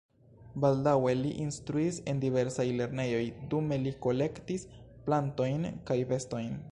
Baldaŭe li instruis en diversaj lernejoj, dume li kolektis plantojn kaj bestojn.